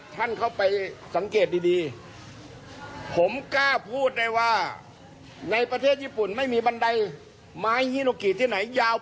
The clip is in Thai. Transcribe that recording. แต่ที่นี่ใช่